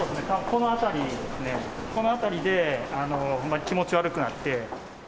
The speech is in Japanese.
この辺りでほんまに気持ち悪くなって。